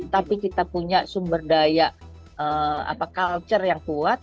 tapi kita punya sumber daya culture yang kuat